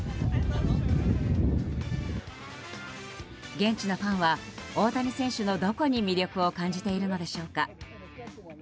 現地のファンは大谷選手のどこに魅力を感じているのでしょうか。